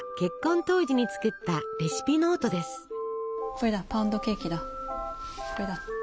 これだパウンドケーキだこれだ。